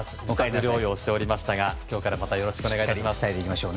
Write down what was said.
自宅療養しておりましたが今日からまたよろしくお願いします。